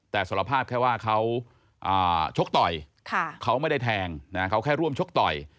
แต่สารภาพแค่ว่าเขาชกต่อยเขาไม่ได้แทงเขาแค่ร่วมชกต่อย